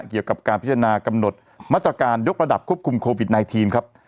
เกี่ยวกับการพิจารณากำหนดมาตรการยกระดับควบคุมโควิด๑๙ครับ